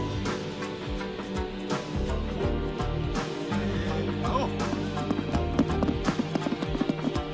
せの！